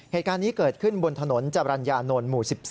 เหตุการณ์นี้เกิดขึ้นบนถนนจรรยานนท์หมู่๑๒